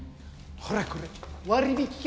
ほらこれ割引券。